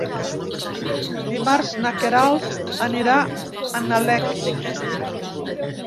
Dimarts na Queralt anirà a Nalec.